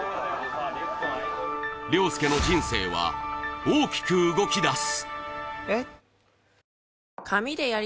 稜佑の人生は、大きく動き出す。